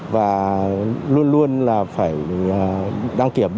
và luôn luôn là phải đăng kiểm bằng cách đăng kiểm đúng hạn